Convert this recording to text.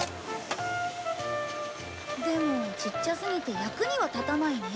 でもちっちゃすぎて役には立たないね。